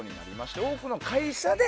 多くの会社で。